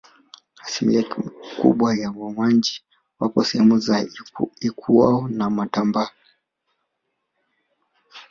Asilimia kubwa ya Wawanji wapo sehemu za Ikuwo na Matamba